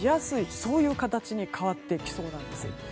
そういう形に変わってきそうなんです。